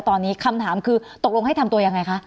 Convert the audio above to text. ตอนนี้คำถามคือตกลงให้ทำตัวยังไงคะ